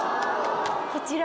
こちら。